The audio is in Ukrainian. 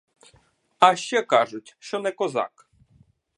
А ще кажуть, що не козак!